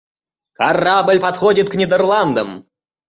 Корабль подходит к Нидерландам.